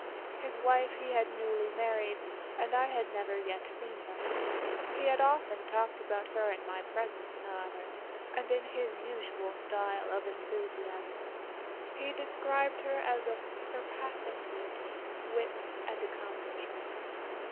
His wife he had newly married, and I had never yet seen her. He had often talked about her in my presence, however, and in his usual style of enthusiasm. He described her as of surpassing beauty, wit, and accomplishment.